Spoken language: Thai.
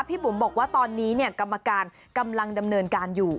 บุ๋มบอกว่าตอนนี้กรรมการกำลังดำเนินการอยู่